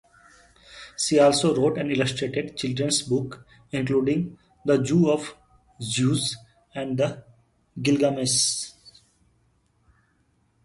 She also wrote and illustrated children's books including "The Zoo of Zeus" and "Gilgamesh.